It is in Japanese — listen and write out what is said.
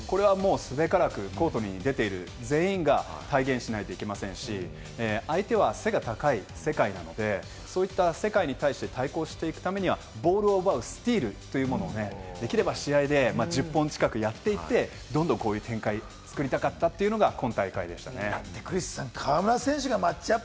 すべからくコートに出ている全員が体現しないといけませんし、相手は背が高い世界なので、世界に対して対抗していくためには、ボールを奪うスティールというものを、できれば試合で１０本近くやっていって、どんどんこういう展開を作りたかったというのが今大会でしたね。